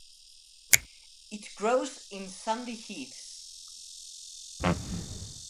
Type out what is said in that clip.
It grows in sandy heaths.